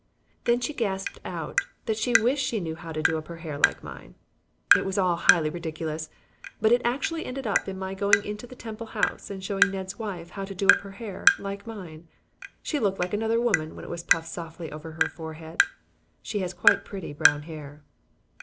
Then she gasped out that she wished she knew how to do up her hair like mine. It was all highly ridiculous, but it actually ended in my going into the Temple house and showing Ned's wife how to do up her hair like mine. She looked like another woman when it was puffed softly over her forehead she has quite pretty brown hair.